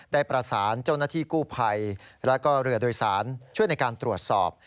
ได้ประสานเจ้าหน้าที่กู้ภัยแล้วก็เรือโดยสารช่วยในการตรวจสอบ